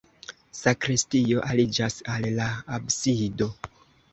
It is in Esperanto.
Sakristio aliĝas al la absido.